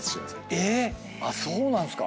えっ⁉そうなんすか。